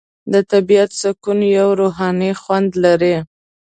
د طبیعت سکون یو روحاني خوند لري.